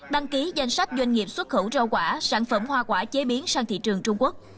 đăng ký danh sách doanh nghiệp xuất khẩu rau quả sản phẩm hoa quả chế biến sang thị trường trung quốc